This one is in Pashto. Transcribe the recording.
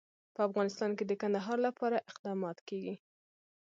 په افغانستان کې د کندهار لپاره اقدامات کېږي.